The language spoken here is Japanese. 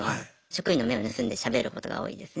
職員の目を盗んでしゃべることが多いです。